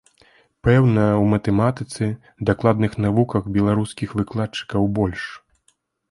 Пэўна, у матэматыцы, дакладных навуках беларускіх выкладчыкаў больш.